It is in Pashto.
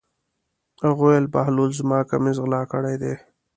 هغه وویل: بهلول زما کمیس غلا کړی دی.